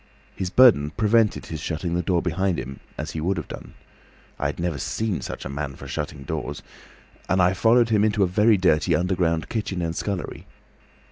His burden prevented his shutting the door behind him—as he would have done; I never saw such a man for shutting doors—and I followed him into a very dirty underground kitchen and scullery.